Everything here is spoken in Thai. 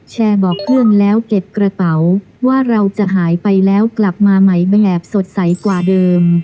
แชร์บอกเพื่อนแล้วเก็บกระเป๋าว่าเราจะหายไปแล้วกลับมาไหมแบบสดใสกว่าเดิม